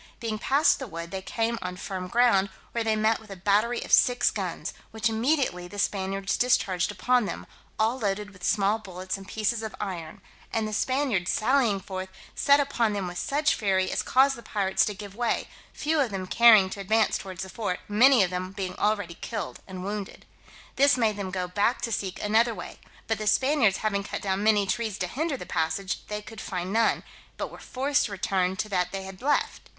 Being passed the wood, they came on firm ground, where they met with a battery of six guns, which immediately the Spaniards discharged upon them, all loaded with small bullets and pieces of iron; and the Spaniards sallying forth, set upon them with such fury, as caused the pirates to give way, few of them caring to advance towards the fort, many of them being already killed and wounded. This made them go back to seek another way; but the Spaniards having cut down many trees to hinder the passage, they could find none, but were forced to return to that they had left.